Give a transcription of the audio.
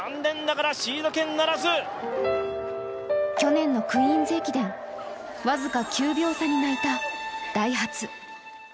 去年のクイーンズ駅伝僅か９秒差に泣いたダイハツ。